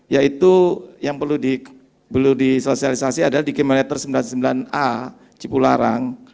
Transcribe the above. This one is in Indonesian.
yaitu yang perlu disosialisasi adalah di kilometer sembilan puluh sembilan a cipularang